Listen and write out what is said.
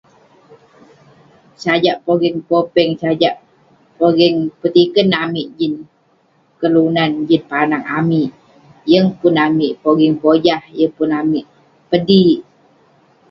Sajak pogeng popeng. Sajak pogeng petiken amik jin kelunan, jin panak amik. Yeng pun amik pogeng pojah. Yeng pun amik pedik.